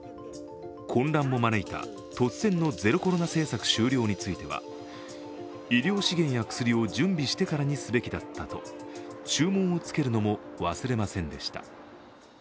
混乱も招いた突然のゼロコロナ政策終了については医療資源や薬を準備してからにすべきだったと注文をつけるのも忘れませんでした。